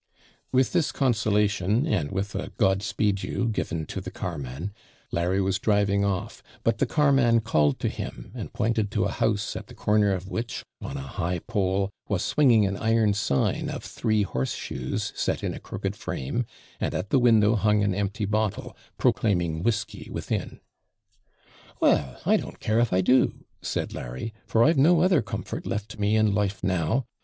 With this consolation, and with a 'God speed you,' given to the carman, Larry was driving off; but the carman called to him, and pointed to a house, at the corner of which, on a high pole, was swinging an iron sign of three horse shoes, set in a crooked frame, and at the window hung an empty bottle, proclaiming whisky within. 'Well, I don't care if I do,' said Larry; 'for I've no other comfort left me in life now.